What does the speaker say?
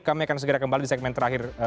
kami akan segera kembali di segmen terakhir